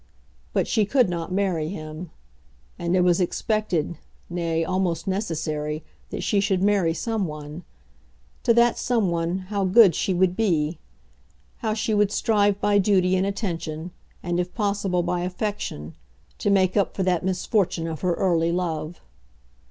But she could not marry him. And it was expected, nay, almost necessary that she should marry someone. To that someone, how good she would be! How she would strive by duty and attention, and if possible by affection, to make up for that misfortune of her early love!